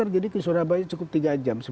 jadi ke surabaya cukup tiga jam